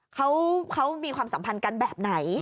เขามีความสัมพันธ์กันแบบไหน